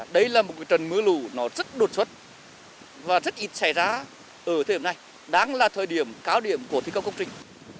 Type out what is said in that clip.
đây là một trận mưa lũ nó rất đột xuất và rất ít xảy ra ở thời điểm này đang là thời điểm cao điểm của thi công công trình